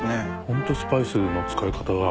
ほんとスパイスの使い方が。